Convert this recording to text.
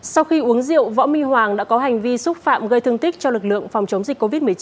sau khi uống rượu võ minh hoàng đã có hành vi xúc phạm gây thương tích cho lực lượng phòng chống dịch covid một mươi chín